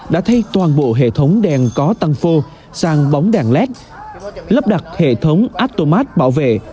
đã thay toàn bộ hệ thống đèn có tăng phô sang bóng đèn led lắp đặt hệ thống atomat bảo vệ